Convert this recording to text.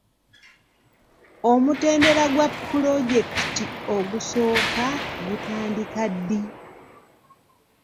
Omutendera gwa pulojekiti ogusooka gutandika ddi?